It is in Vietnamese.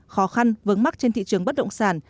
khó khăn vướng mắc trên thị trường bất động sản